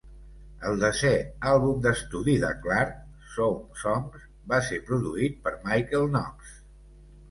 El desè àlbum d"estudi de Clark, "Some Songs", va ser produït per Michael Knox.